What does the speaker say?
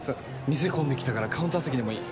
店混んできたからカウンター席でもいい？